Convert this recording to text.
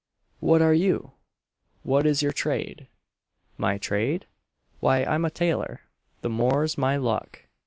"What are you? what is your trade?" "My trade? why I'm a tailor the more's my luck!"